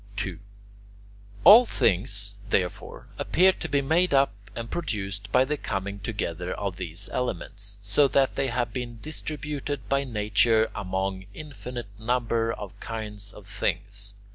2. All things therefore appear to be made up and produced by the coming together of these elements, so that they have been distributed by nature among an infinite number of kinds of things.